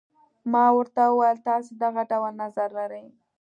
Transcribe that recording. ما ورته وویل تاسي دغه ډول نظر لرئ.